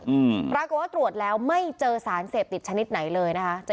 อืมปรากฏว่าตรวจแล้วไม่เจอสารเสพติดชนิดไหนเลยนะคะ